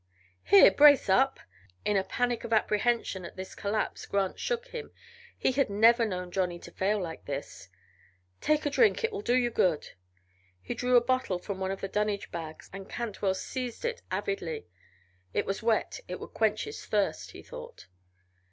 "Here! Brace up!" In a panic of apprehension at this collapse Grant shook him; he had never known Johnny to fail like this. "Take a drink; it'll do you good." He drew a bottle from one of the dunnage bags and Cantwell seized it avidly. It was wet; it would quench his thirst, he thought.